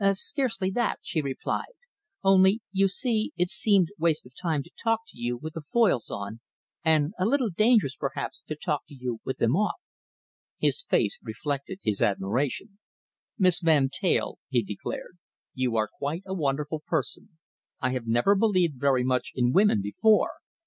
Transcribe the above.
"Scarcely that," she replied, "only, you see, it seemed waste of time to talk to you with the foils on, and a little dangerous, perhaps, to talk to you with them off." His face reflected his admiration. "Miss Van Teyl," he declared, "you are quite a wonderful person. I have never believed very much in women before.